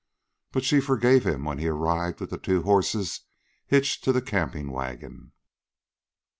But she forgave him when he arrived with the two horses hitched to the camping wagon.